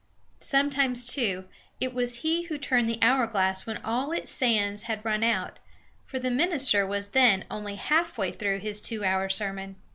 Sometimes, too, it was he who turned the hourglass when all its sands had run out, for the minister was then only halfway through his two hours' sermon.